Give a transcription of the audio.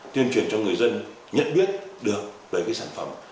tiên truyền cho người dân nhận biết được về cái sản phẩm